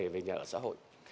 về nhà ở xã hội